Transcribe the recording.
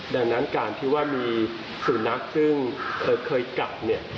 ดังนั้นการที่ว่ามีสุนัขซึ่งเคยกัดเนี่ย